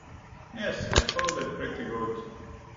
Yes, I call that pretty good.